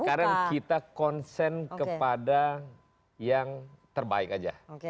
sekarang kita konsen kepada yang terbaik aja